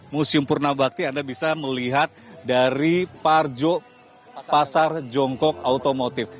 museum purnabakti anda bisa melihat dari parjo pasar jongkok automotif